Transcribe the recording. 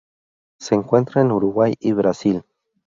Se encuentra en Uruguay y Brasil.